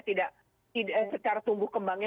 tidak secara tumbuh kembangnya